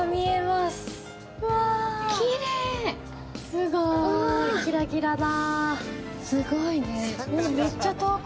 すごーい、キラキラだ。